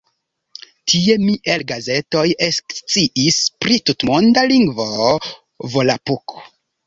Tie mi el gazetoj eksciis pri tutmonda lingvo "Volapuk".